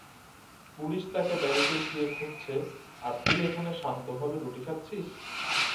Police তোকে barricade দিয়ে খুঁজছে আর তুই এখানে শান্তভাবে রুটি খাচ্ছিস?